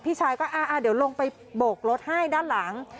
พี่ชายก็เดี๋ยวลงไปโบกรถให้ด้านหลัง